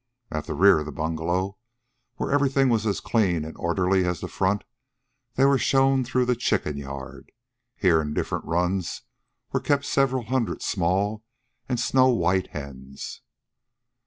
At the rear of the bungalow, where everything was as clean and orderly as the front, they were shown through the chicken yard. Here, in different runs, were kept several hundred small and snow white hens.